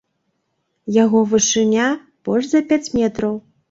Яго вышыня больш за пяць метраў.